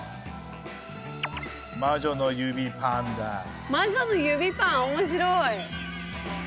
魔女の指パン面白い。